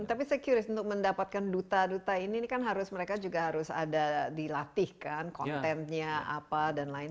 tapi saya curious untuk mendapatkan duta duta ini kan harus mereka juga harus ada dilatihkan kontennya apa dan lain